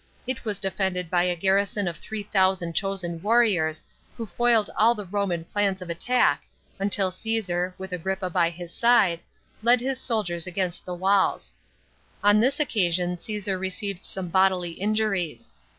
It was defended by a garrison of 3000 chosen warriors, who foiled all the Roman plans of attack, until Caesar, with Agrippa by his side, led his soldiers against the walls. On this occasion Caesar received some bodily injuries.